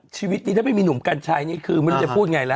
ชีวิตนี้ถ้าไม่มีหนุ่มกัญชัยนี่คือไม่รู้จะพูดไงล่ะ